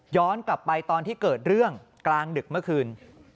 กลับไปตอนที่เกิดเรื่องกลางดึกเมื่อคืน